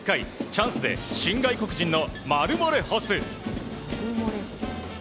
チャンスで新外国人のマルモレホス。